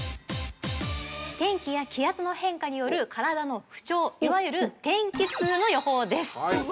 ◆天気や気圧の変化による体の不調、いわゆる天気痛の予報です。